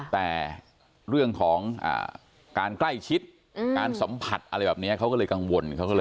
แต่เรื่องของการใกล้ชิดการสัมผัสอะไรแบบนี้เขาก็เลยกังวลเขาก็เลย